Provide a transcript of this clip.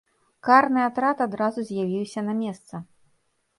Карны атрад адразу з'явіўся на месца.